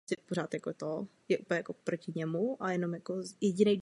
Důvěřuji vám.